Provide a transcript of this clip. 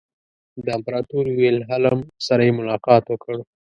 د امپراطور ویلهلم سره یې ملاقات وکړ.